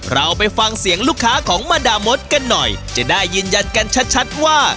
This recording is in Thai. เราไปฟังเสียงลูกค้าของมาดามดกันหน่อยจะได้ยืนยันกันชัดว่า